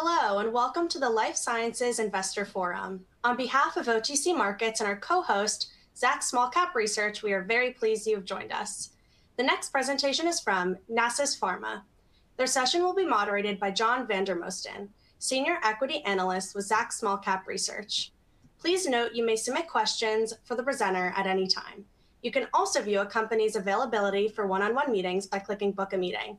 Hello, welcome to the Life Sciences Investor Forum. On behalf of OTC Markets and our co-host, Zacks Small Cap Research, we are very pleased you have joined us. The next presentation is from Nasus Pharma. Their session will be moderated by John Vandermosten, Senior Equity Analyst with Zacks Small Cap Research. Please note you may submit questions for the presenter at any time. You can also view a company's availability for one-on-one meetings by clicking "Book a Meeting."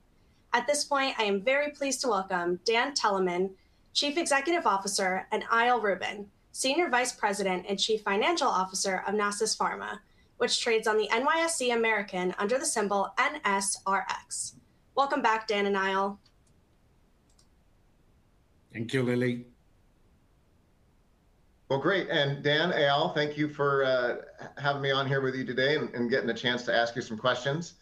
At this point, I am very pleased to welcome Dan Teleman, Chief Executive Officer, and Eyal Rubin, Senior Vice President and Chief Financial Officer of Nasus Pharma, which trades on the NYSE American under the symbol NSRX. Welcome back, Dan and Eyal. Thank you, Lily. Well, great. Dan, Eyal, thank you for having me on here with you today and getting the chance to ask you some questions.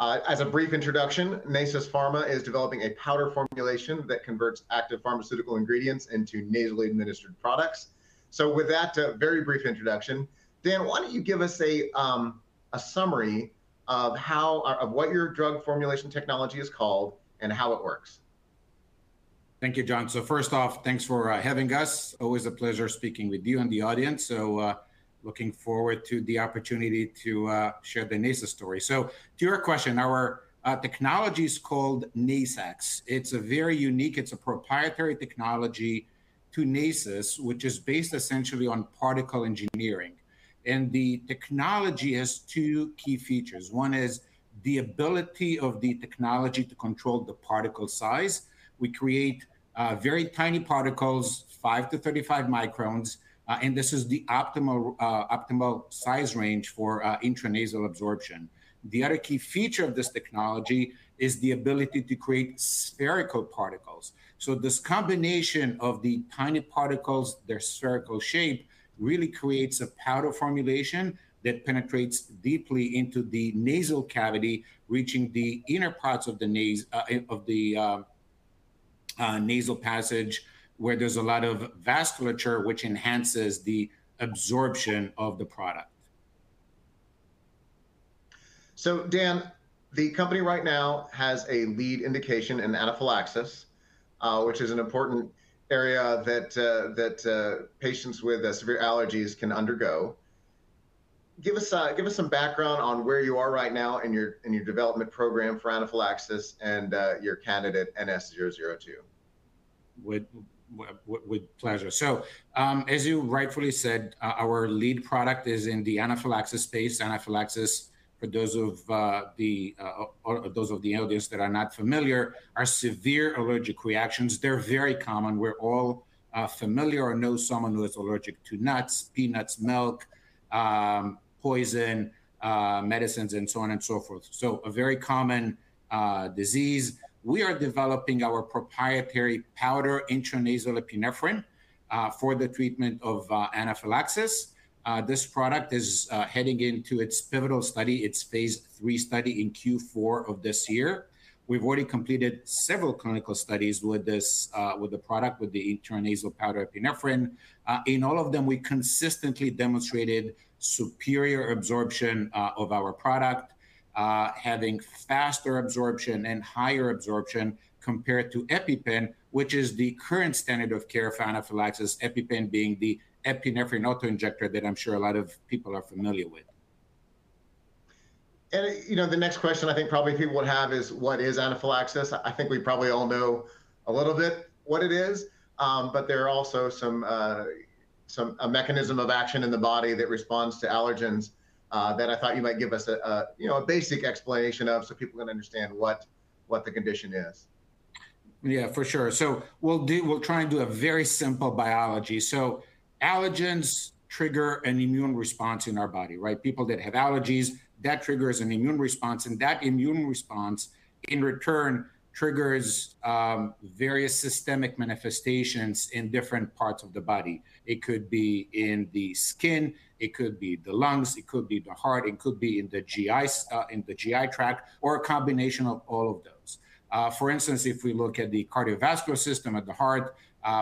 As a brief introduction, Nasus Pharma is developing a powder formulation that converts active pharmaceutical ingredients into nasally administered products. With that very brief introduction, Dan, why don't you give us a summary of what your drug formulation technology is called and how it works? Thank you, John. First off, thanks for having us. Always a pleasure speaking with you and the audience, looking forward to the opportunity to share the Nasus story. To your question, our technology's called Nasax. It's very unique. It's a proprietary technology to Nasus, which is based essentially on particle engineering, and the technology has two key features. One is the ability of the technology to control the particle size. We create very tiny particles, five to 35 microns, and this is the optimal size range for intranasal absorption. The other key feature of this technology is the ability to create spherical particles. This combination of the tiny particles, their spherical shape, really creates a powder formulation that penetrates deeply into the nasal cavity, reaching the inner parts of the nasal passage, where there's a lot of vasculature, which enhances the absorption of the product. Dan, the company right now has a lead indication in anaphylaxis, which is an important area that patients with severe allergies can undergo. Give us some background on where you are right now in your development program for anaphylaxis and your candidate, NS002. With pleasure. As you rightfully said, our lead product is in the anaphylaxis space. Anaphylaxis, for those of the audience that are not familiar, are severe allergic reactions. They're very common. We're all familiar or know someone who is allergic to nuts, peanuts, milk, poison, medicines, and so on and so forth. A very common disease. We are developing our proprietary powder intranasal epinephrine for the treatment of anaphylaxis. This product is heading into its pivotal study, its phase III study, in Q4 of this year. We've already completed several clinical studies with the product, with the intranasal powder epinephrine. In all of them, we consistently demonstrated superior absorption of our product, having faster absorption and higher absorption compared to EpiPen, which is the current standard of care for anaphylaxis, EpiPen being the epinephrine auto-injector that I'm sure a lot of people are familiar with. The next question I think probably people would have is what is anaphylaxis? I think we probably all know a little bit what it is, but there are also a mechanism of action in the body that responds to allergens, that I thought you might give us a basic explanation of so people can understand what the condition is. Yeah, for sure. We'll try and do a very simple biology. Allergens trigger an immune response in our body, right? People that have allergies, that triggers an immune response, and that immune response, in return, triggers various systemic manifestations in different parts of the body. It could be in the skin, it could be the lungs, it could be the heart, it could be in the GI tract, or a combination of all of those. For instance, if we look at the cardiovascular system at the heart,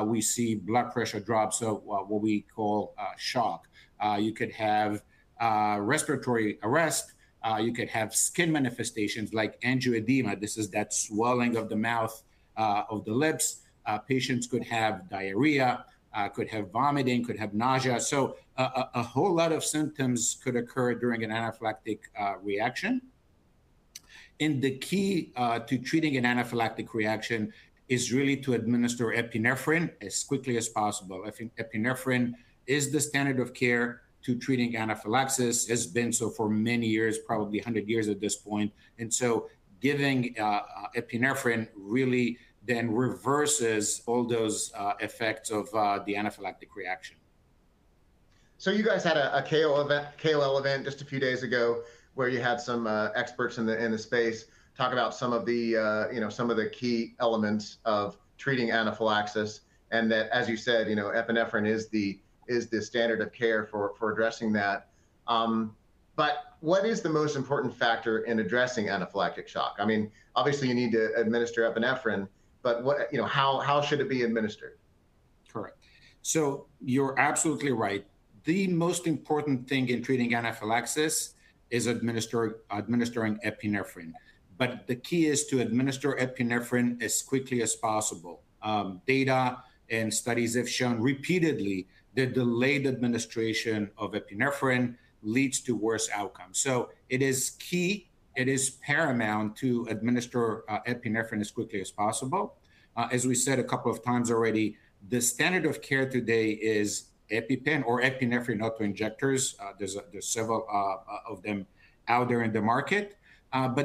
we see blood pressure drops, so what we call shock. You could have respiratory arrest. You could have skin manifestations like angioedema. This is that swelling of the mouth, of the lips. Patients could have diarrhea, could have vomiting, could have nausea. A whole lot of symptoms could occur during an anaphylactic reaction. The key to treating an anaphylactic reaction is really to administer epinephrine as quickly as possible. I think epinephrine is the standard of care to treating anaphylaxis, has been so for many years, probably 100 years at this point. Giving epinephrine really then reverses all those effects of the anaphylactic reaction. You guys had a KOL event just a few days ago, where you had some experts in the space talk about some of the key elements of treating anaphylaxis, that, as you said, epinephrine is the standard of care for addressing that. What is the most important factor in addressing anaphylactic shock? Obviously you need to administer epinephrine, how should it be administered? Correct. You're absolutely right. The most important thing in treating anaphylaxis is administering epinephrine. The key is to administer epinephrine as quickly as possible. Data and studies have shown repeatedly that delayed administration of epinephrine leads to worse outcomes. It is key, it is paramount to administer epinephrine as quickly as possible. As we said a couple of times already, the standard of care today is EpiPen or epinephrine auto-injectors. There's several of them out there in the market.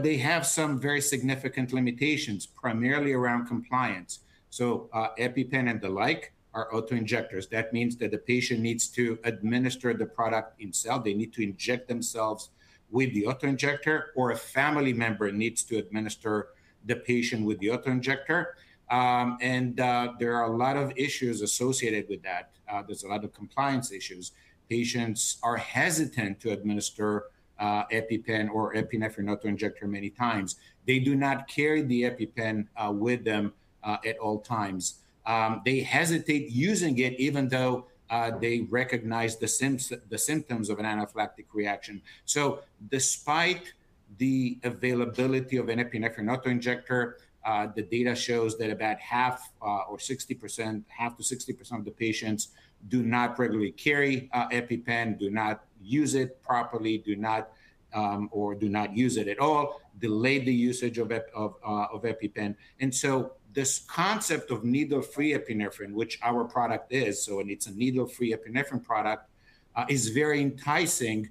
They have some very significant limitations, primarily around compliance. EpiPen and the like are auto-injectors. That means that the patient needs to administer the product themselves. They need to inject themselves with the auto-injector, or a family member needs to administer the patient with the auto-injector. There's a lot of issues associated with that. There's a lot of compliance issues. Patients are hesitant to administer EpiPen or epinephrine auto-injector many times. They do not carry the EpiPen with them at all times. They hesitate using it even though they recognize the symptoms of an anaphylactic reaction. Despite the availability of an epinephrine auto-injector the data shows that about half or 60%, half to 60% of the patients do not regularly carry EpiPen, do not use it properly, or do not use it at all, delay the usage of EpiPen. This concept of needle-free epinephrine, which our product is, it is a needle-free epinephrine product, is very enticing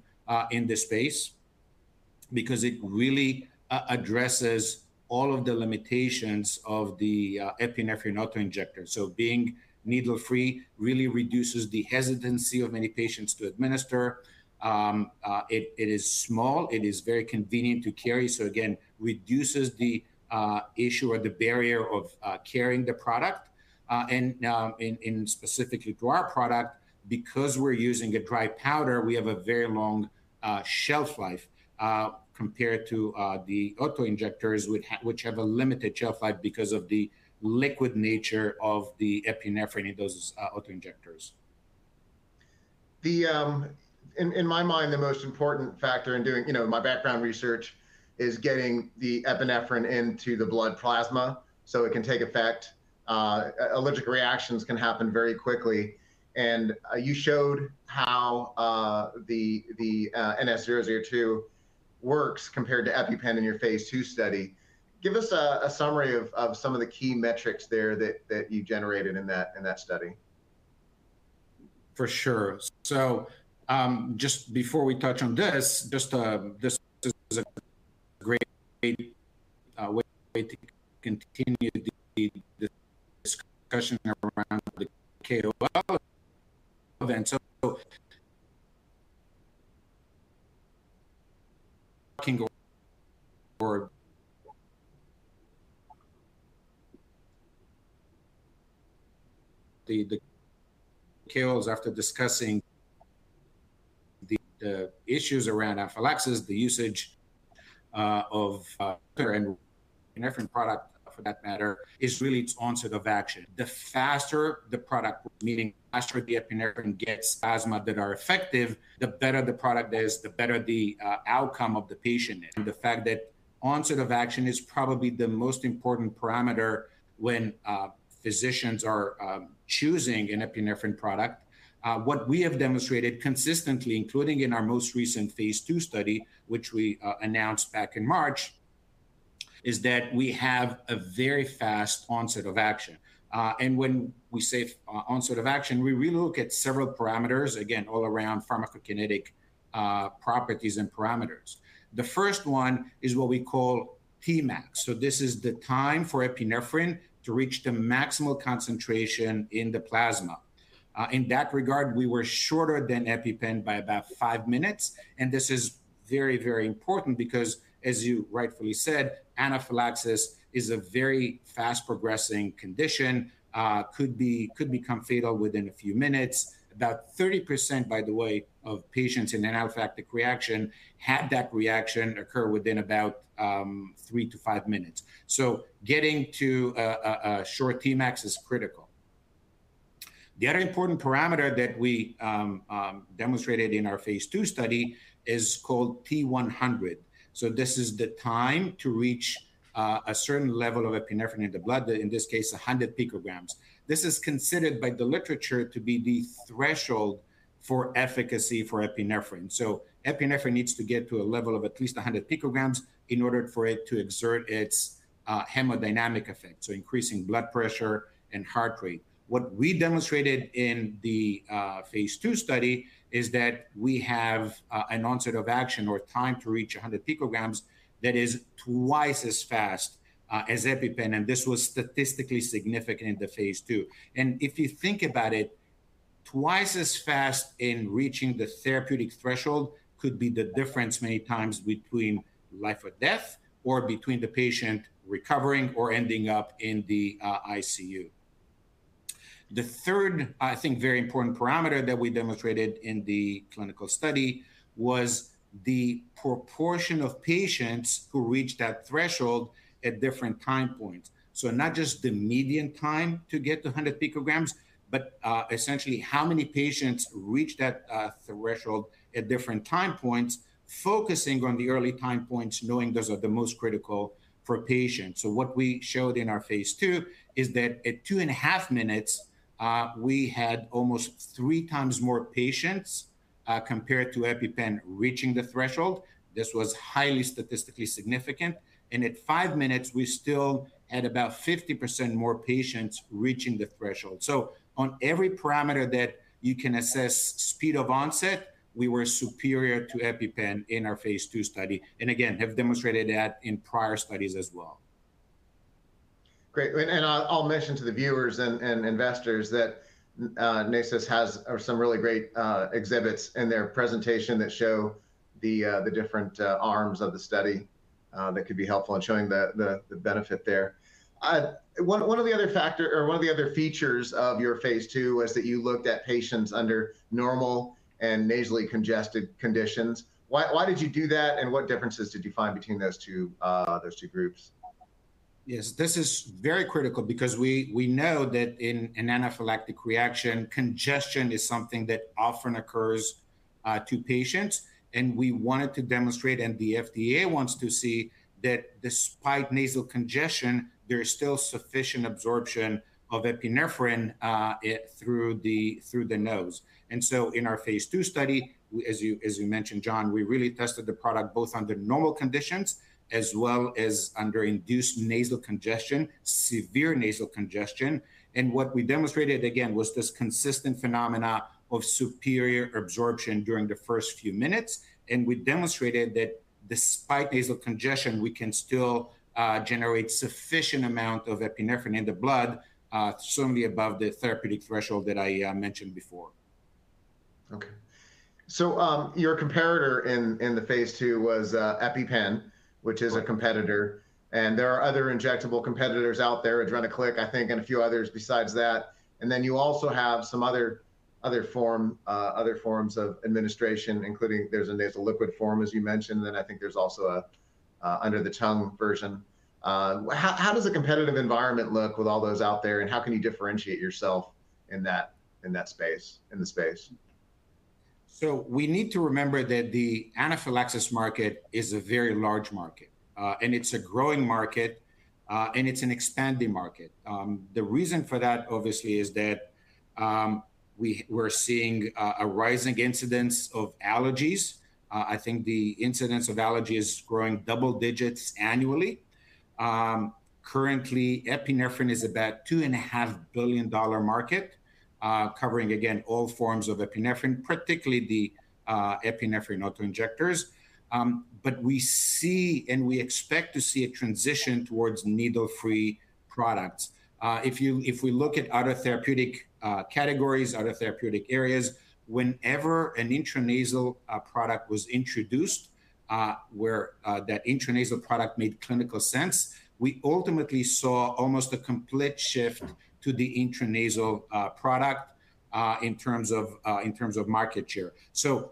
in this space because it really addresses all of the limitations of the epinephrine auto-injector. Being needle-free really reduces the hesitancy of many patients to administer. It is small. It is very convenient to carry, again, reduces the issue or the barrier of carrying the product. Now in specifically to our product, because we're using a dry powder, we have a very long shelf life compared to the auto-injectors, which have a limited shelf life because of the liquid nature of the epinephrine in those auto-injectors. In my mind, the most important factor in doing my background research is getting the epinephrine into the blood plasma so it can take effect. Allergic reactions can happen very quickly, and you showed how the NS002 works compared to EpiPen in your phase II study. Give us a summary of some of the key metrics there that you generated in that study. For sure. Just before we touch on this, just this is a great way to continue the discussion around the event. The KOLs after discussing the issues around anaphylaxis, the usage of epinephrine product for that matter is really its onset of action. The faster the product, meaning the faster the epinephrine gets [asthma] that are effective, the better the product is, the better the outcome of the patient is. The fact that onset of action is probably the most important parameter when physicians are choosing an epinephrine product. What we have demonstrated consistently, including in our most recent phase II study, which we announced back in March, is that we have a very fast onset of action. When we say onset of action, we look at several parameters, again, all around pharmacokinetic properties and parameters. The first one is what we call Tmax. This is the time for epinephrine to reach the maximal concentration in the plasma. In that regard, we were shorter than EpiPen by about five minutes, this is very, very important because, as you rightfully said, anaphylaxis is a very fast-progressing condition, could become fatal within a few minutes. About 30%, by the way, of patients in an anaphylactic reaction had that reaction occur within about three to five minutes. Getting to a short Tmax is critical. The other important parameter that we demonstrated in our phase II study is called T100. This is the time to reach a certain level of epinephrine in the blood, in this case, 100 pg. This is considered by the literature to be the threshold for efficacy for epinephrine. Epinephrine needs to get to a level of at least 100 pg in order for it to exert its hemodynamic effect, increasing blood pressure and heart rate. What we demonstrated in the phase II study is that we have an onset of action or time to reach 100 pg that is twice as fast as EpiPen, and this was statistically significant in the phase II. If you think about it, twice as fast in reaching the therapeutic threshold could be the difference many times between life or death or between the patient recovering or ending up in the ICU. The third, I think, very important parameter that we demonstrated in the clinical study was the proportion of patients who reached that threshold at different time points. Not just the median time to get to 100 pg, but essentially how many patients reached that threshold at different time points, focusing on the early time points, knowing those are the most critical for patients. What we showed in our phase II is that at two and a half minutes, we had almost three times more patients, compared to EpiPen, reaching the threshold. This was highly statistically significant. At five minutes, we still had about 50% more patients reaching the threshold. On every parameter that you can assess speed of onset, we were superior to EpiPen in our phase II study, and again, have demonstrated that in prior studies as well. Great. I'll mention to the viewers and investors that Nasus has some really great exhibits in their presentation that show the different arms of the study that could be helpful in showing the benefit there. One of the other features of your phase II was that you looked at patients under normal and nasally congested conditions. Why did you do that, and what differences did you find between those two groups? Yes. This is very critical because we know that in an anaphylactic reaction, congestion is something that often occurs to patients, and we wanted to demonstrate, and the FDA wants to see, that despite nasal congestion, there is still sufficient absorption of epinephrine through the nose. In our phase II study, as you mentioned, John, we really tested the product both under normal conditions as well as under induced nasal congestion, severe nasal congestion. What we demonstrated, again, was this consistent phenomena of superior absorption during the first few minutes, and we demonstrated that despite nasal congestion, we can still generate sufficient amount of epinephrine in the blood, certainly above the therapeutic threshold that I mentioned before. Okay. Your comparator in the phase II was EpiPen, which is a competitor, and there are other injectable competitors out there, Adrenaclick, I think, and a few others besides that. You also have some other forms of administration, including there's a nasal liquid form, as you mentioned, and I think there's also an under the tongue version. How does the competitive environment look with all those out there, and how can you differentiate yourself in the space? We need to remember that the anaphylaxis market is a very large market, and it's a growing market, and it's an expanding market. The reason for that, obviously, is that we're seeing a rising incidence of allergies. I think the incidence of allergy is growing double digits annually. Currently, epinephrine is about two and a half billion dollar market, covering, again, all forms of epinephrine, particularly the epinephrine autoinjectors. We see and we expect to see a transition towards needle-free products. If we look at other therapeutic categories, other therapeutic areas, whenever an intranasal product was introduced, where that intranasal product made clinical sense, we ultimately saw almost a complete shift to the intranasal product, in terms of market share.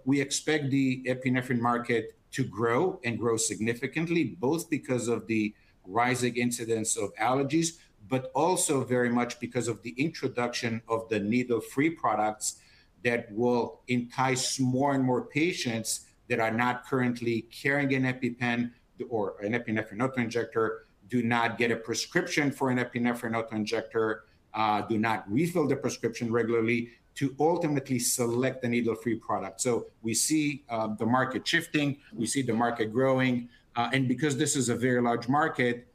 We expect the epinephrine market to grow and grow significantly, both because of the rising incidence of allergies, but also very much because of the introduction of the needle-free products that will entice more and more patients that are not currently carrying an EpiPen or an epinephrine autoinjector, do not get a prescription for an epinephrine autoinjector, do not refill the prescription regularly to ultimately select the needle-free product. We see the market shifting. We see the market growing. Because this is a very large market,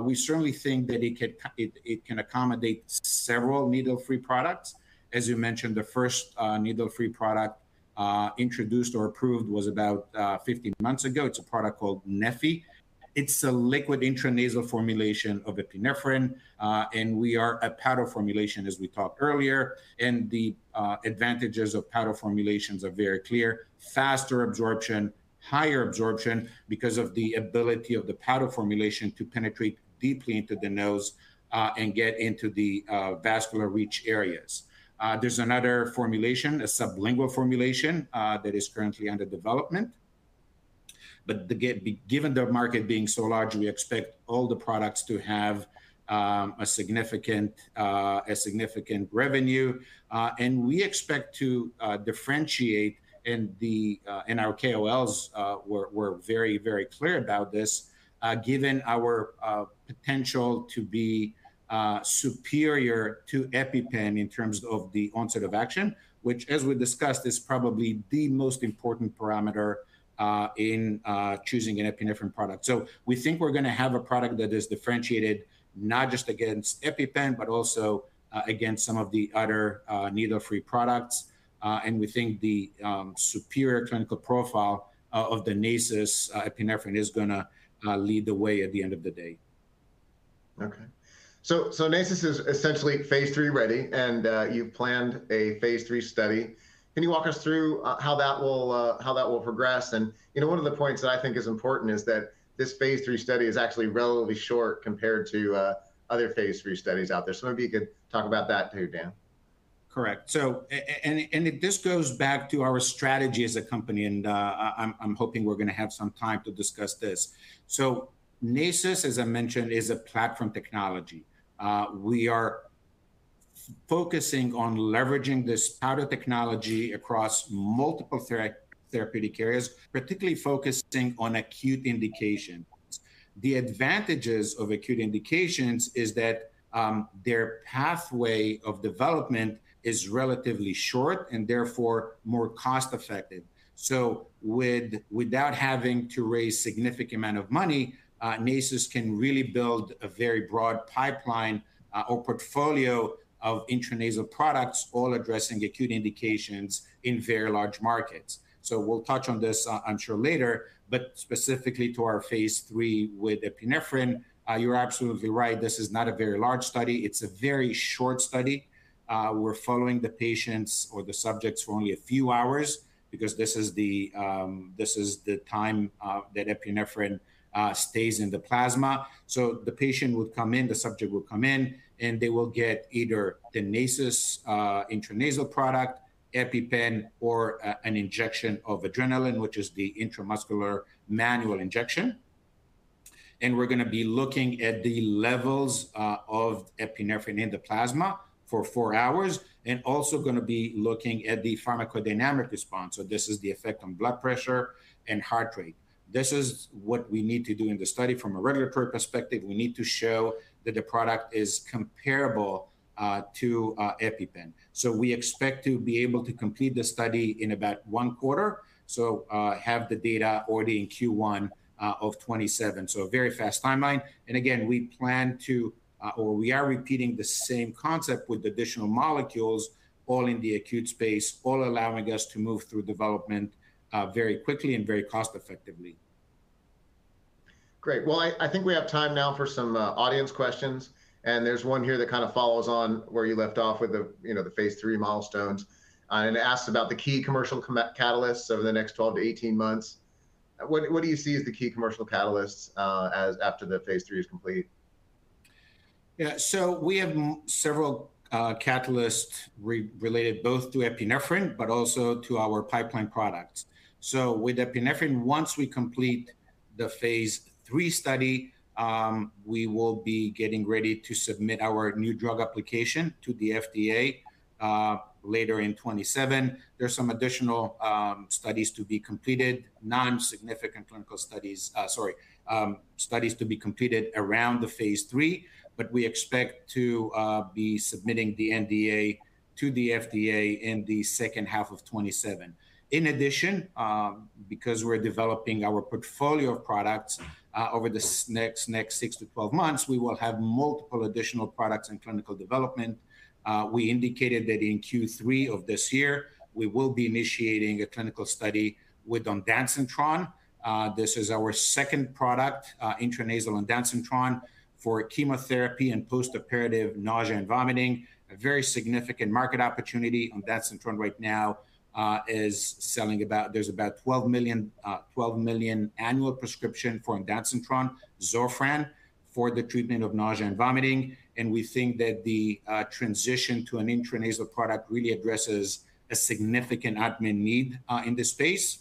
we certainly think that it can accommodate several needle-free products. As you mentioned, the first needle-free product introduced or approved was about 15 months ago. It's a product called neffy. It's a liquid intranasal formulation of epinephrine. We are a powder formulation, as we talked earlier, and the advantages of powder formulations are very clear. Faster absorption, higher absorption because of the ability of the powder formulation to penetrate deeply into the nose, and get into the vascular rich areas. There's another formulation, a sublingual formulation, that is currently under development. Given the market being so large, we expect all the products to have a significant revenue. We expect to differentiate, and our KOLs were very clear about this, given our potential to be superior to EpiPen in terms of the onset of action, which, as we discussed, is probably the most important parameter in choosing an epinephrine product. We think we're going to have a product that is differentiated not just against EpiPen, but also against some of the other needle-free products. We think the superior clinical profile of the Nasus epinephrine is going to lead the way at the end of the day. Okay. Nasus is essentially phase III-ready, and you've planned a phase III study. Can you walk us through how that will progress? One of the points that I think is important is that this phase III study is actually relatively short compared to other phase III studies out there. Maybe you could talk about that too, Dan. Correct. This goes back to our strategy as a company, I'm hoping we're going to have some time to discuss this. Nasus, as I mentioned, is a platform technology. We are focusing on leveraging this powder technology across multiple therapeutic areas, particularly focusing on acute indications. The advantages of acute indications is that their pathway of development is relatively short and therefore more cost-effective. Without having to raise significant amount of money, Nasus can really build a very broad pipeline or portfolio of intranasal products, all addressing acute indications in very large markets. We'll touch on this, I'm sure, later, but specifically to our phase III with epinephrine, you're absolutely right. This is not a very large study. It's a very short study. We're following the patients or the subjects for only a few hours because this is the time that epinephrine stays in the plasma. The patient would come in, the subject would come in, and they will get either the Nasus intranasal product, EpiPen, or an injection of adrenaline, which is the intramuscular manual injection. We're going to be looking at the levels of epinephrine in the plasma for four hours, also going to be looking at the pharmacodynamic response. This is the effect on blood pressure and heart rate. This is what we need to do in the study from a regulatory perspective. We need to show that the product is comparable to EpiPen. We expect to be able to complete the study in about one quarter, have the data already in Q1 of 2027. A very fast timeline. Again, we plan to or we are repeating the same concept with additional molecules, all in the acute space, all allowing us to move through development very quickly and very cost-effectively. Great. I think we have time now for some audience questions, and there's one here that kind of follows on where you left off with the phase III milestones and asks about the key commercial catalysts over the next 12-18 months. What do you see as the key commercial catalysts after the phase III is complete? Yeah. We have several catalysts related both to epinephrine but also to our pipeline products. With epinephrine, once we complete the phase III study, we will be getting ready to submit our new drug application to the FDA later in 2027. There's some additional non-significant clinical studies to be completed around the phase III, but we expect to be submitting the NDA to the FDA in the second half of 2027. In addition, because we're developing our portfolio of products over this next 6-12 months, we will have multiple additional products in clinical development. We indicated that in Q3 of this year, we will be initiating a clinical study with ondansetron. This is our second product, intranasal ondansetron for chemotherapy and postoperative nausea and vomiting, a very significant market opportunity. Ondansetron right now is selling about, there's about $12 million annual prescription for ondansetron, Zofran, for the treatment of nausea and vomiting, and we think that the transition to an intranasal product really addresses a significant unmet need in this space.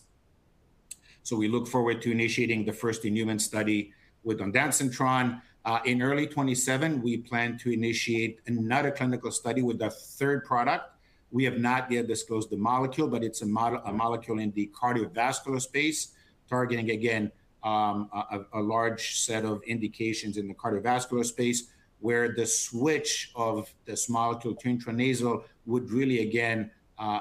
We look forward to initiating the first in-human study with ondansetron. In early 2027, we plan to initiate another clinical study with a third product. We have not yet disclosed the molecule, but it's a molecule in the cardiovascular space, targeting, again, a large set of indications in the cardiovascular space, where the switch of this molecule to intranasal would really, again,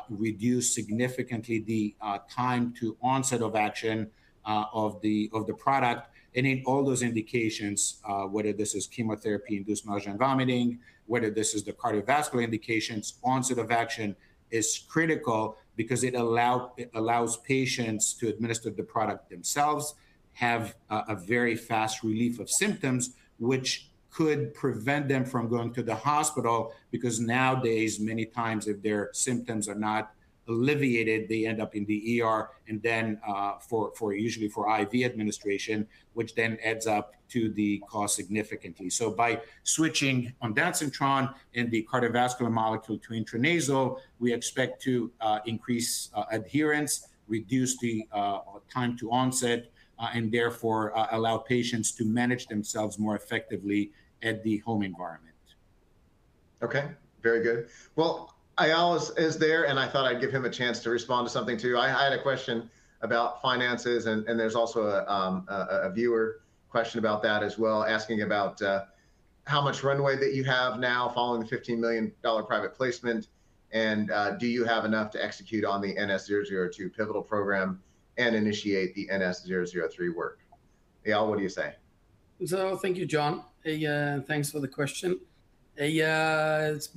reduce significantly the time to onset of action of the product. In all those indications, whether this is chemotherapy-induced nausea and vomiting, whether this is the cardiovascular indications, onset of action is critical because it allows patients to administer the product themselves, have a very fast relief of symptoms, which could prevent them from going to the hospital because nowadays, many times if their symptoms are not alleviated, they end up in the ER and then usually for IV administration, which then adds up to the cost significantly. By switching ondansetron and the cardiovascular molecule to intranasal, we expect to increase adherence, reduce the time to onset, and therefore allow patients to manage themselves more effectively at the home environment. Okay. Very good. Eyal is there, and I thought I'd give him a chance to respond to something, too. I had a question about finances. There's also a viewer question about that as well, asking about how much runway that you have now following the $15 million private placement, and do you have enough to execute on the NS002 pivotal program and initiate the NS003 work. Eyal, what do you say? Thank you, John. Thanks for the question. We have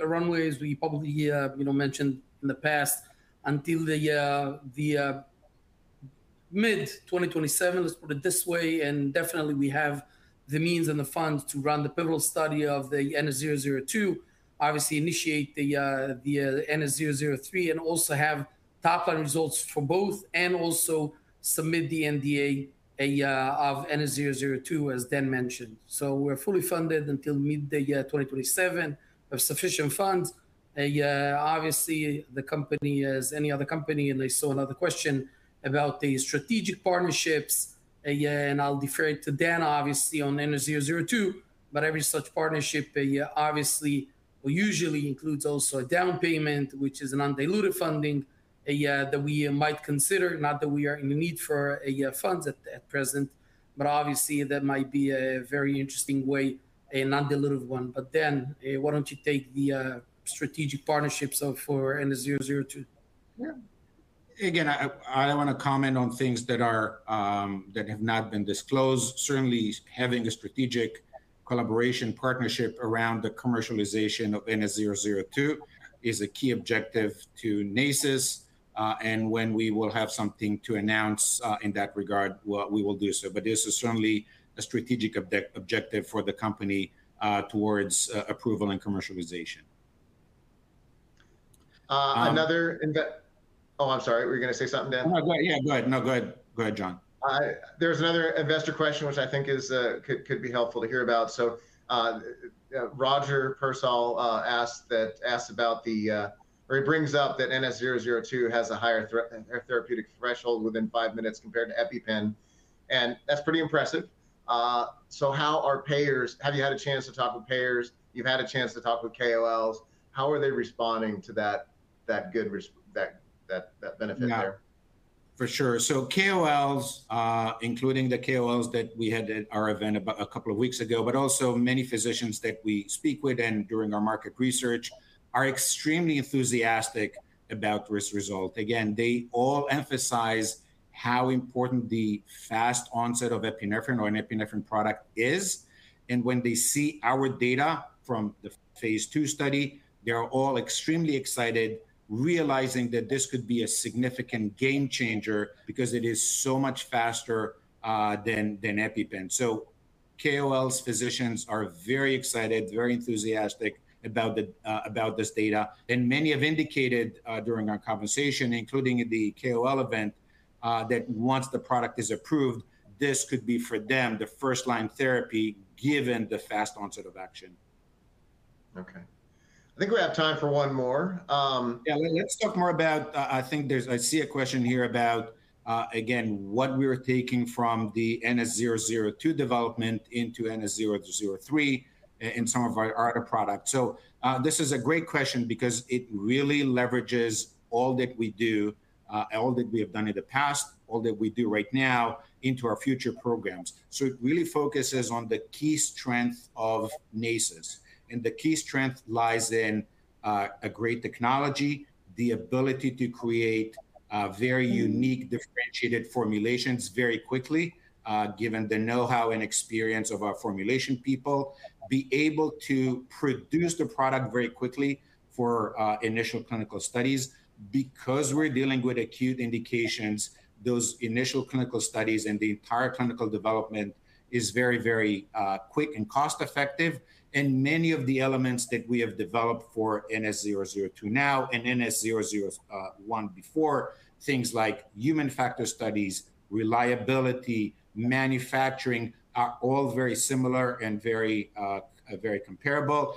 a runway, as we probably mentioned in the past, until the mid-2027, let's put it this way. Definitely we have the means and the funds to run the pivotal study of the NS002, obviously initiate the NS003, also have top-line results for both, also submit the NDA of NS002, as Dan mentioned. We're fully funded until mid-2027. We have sufficient funds. Obviously, the company is any other company. I saw another question about the strategic partnerships. I'll defer it to Dan, obviously, on NS002. Every such partnership obviously will usually include also a down payment, which is an undiluted funding, that we might consider. Not that we are in need for funds at present. Obviously that might be a very interesting way, a non-dilutive one. Dan, why don't you take the strategic partnerships for NS002? Yeah. Again, I don't want to comment on things that have not been disclosed. Certainly, having a strategic collaboration partnership around the commercialization of NS002 is a key objective to Nasus. When we will have something to announce in that regard, we will do so. This is certainly a strategic objective for the company towards approval and commercialization. Another. Oh, I'm sorry. Were you going to say something, Dan? Yeah. No, go ahead, John. There's another investor question, which I think could be helpful to hear about. Roger Purcell brings up that NS002 has a higher therapeutic threshold within five minutes compared to EpiPen, and that's pretty impressive. How are payers, have you had a chance to talk with payers? You've had a chance to talk with KOLs. How are they responding to that benefit there? For sure. KOLs, including the KOLs that we had at our event a couple of weeks ago, but also many physicians that we speak with and during our market research, are extremely enthusiastic about this result. Again, they all emphasize how important the fast onset of epinephrine or an epinephrine product is. When they see our data from the phase II study, they are all extremely excited, realizing that this could be a significant game changer because it is so much faster than EpiPen. KOLs, physicians are very excited, very enthusiastic about this data. Many have indicated during our conversation, including the KOL event, that once the product is approved, this could be for them the first-line therapy given the fast onset of action. Okay. I think we have time for one more. Yeah, let's talk more about, I see a question here about, again, what we're taking from the NS002 development into NS003 and some of our other products. This is a great question because it really leverages all that we do, all that we have done in the past, all that we do right now into our future programs. It really focuses on the key strength of Nasus. The key strength lies in a great technology, the ability to create very unique, differentiated formulations very quickly given the know-how and experience of our formulation people, be able to produce the product very quickly for initial clinical studies. Because we're dealing with acute indications, those initial clinical studies and the entire clinical development is very quick and cost-effective. Many of the elements that we have developed for NS002 now and NS001 before, things like human factor studies, reliability, manufacturing, are all very similar and very comparable.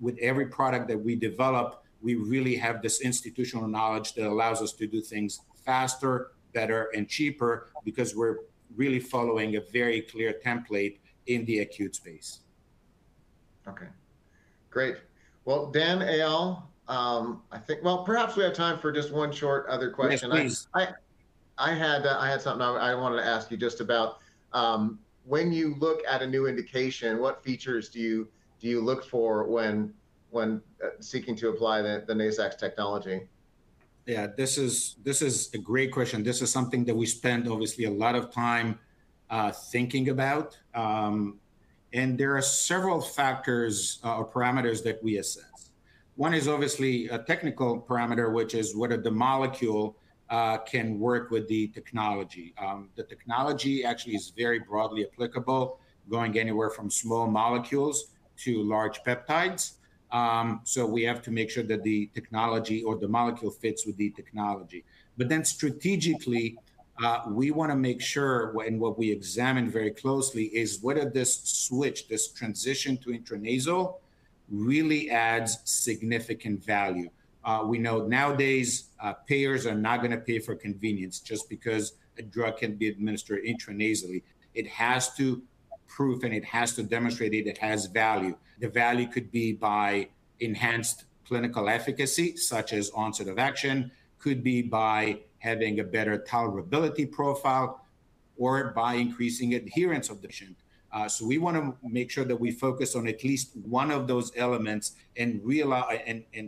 With every product that we develop, we really have this institutional knowledge that allows us to do things faster, better, and cheaper because we're really following a very clear template in the acute space. Okay, great. Well, Dan, Eyal, well, perhaps we have time for just one short other question. Yes, please. I had something I wanted to ask you just about when you look at a new indication, what features do you look for when seeking to apply the Nasax technology? Yeah, this is a great question. This is something that we spend obviously a lot of time thinking about. There are several factors or parameters that we assess. One is obviously a technical parameter, which is whether the molecule can work with the technology. The technology actually is very broadly applicable, going anywhere from small molecules to large peptides. We have to make sure that the technology or the molecule fits with the technology. Strategically, we want to make sure, and what we examine very closely is whether this switch, this transition to intranasal really adds significant value. We know nowadays payers are not going to pay for convenience just because a drug can be administered intranasally. It has to prove and it has to demonstrate it has value. The value could be by enhanced clinical efficacy, such as onset of action, could be by having a better tolerability profile, or by increasing adherence of the patient. We want to make sure that we focus on at least one of those elements and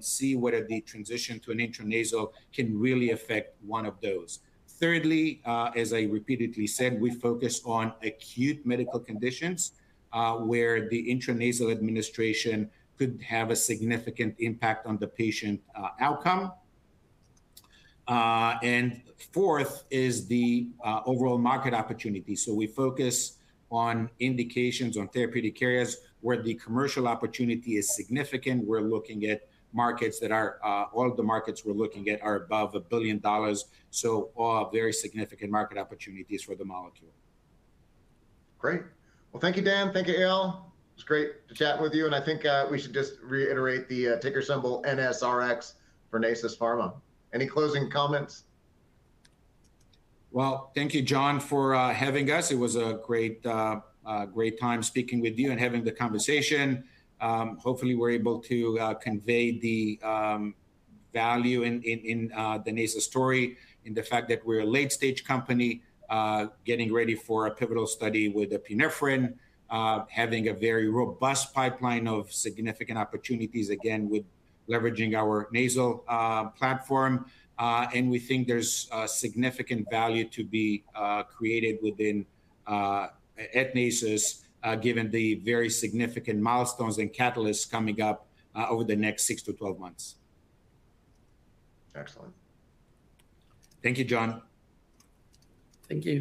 see whether the transition to an intranasal can really affect one of those. Thirdly, as I repeatedly said, we focus on acute medical conditions, where the intranasal administration could have a significant impact on the patient outcome. Fourth is the overall market opportunity. We focus on indications on therapeutic areas where the commercial opportunity is significant. All of the markets we're looking at are above $1 billion. All very significant market opportunities for the molecule. Great. Well, thank you, Dan. Thank you, Eyal. It was great to chat with you. I think we should just reiterate the ticker symbol, NSRX for Nasus Pharma. Any closing comments? Well, thank you, John, for having us. It was a great time speaking with you and having the conversation. Hopefully, we're able to convey the value in the Nasus story, in the fact that we're a late-stage company getting ready for a pivotal study with epinephrine, having a very robust pipeline of significant opportunities, again, with leveraging our nasal platform. We think there's significant value to be created within at Nasus given the very significant milestones and catalysts coming up over the next 6-12 months. Excellent. Thank you, John. Thank you